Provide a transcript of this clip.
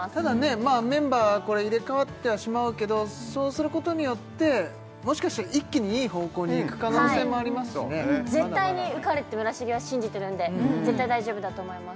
まあメンバーこれ入れ代わってはしまうけどそうすることによってもしかしたら一気にいい方向にいく可能性もありますしね絶対に受かるって村重は信じてるんで絶対大丈夫だと思います